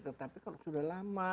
tetapi kalau sudah lama